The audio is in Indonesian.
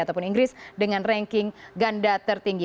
ataupun inggris dengan ranking ganda tertinggi